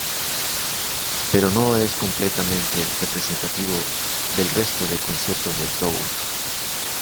Pero no es completamente representativo del resto de conciertos del tour.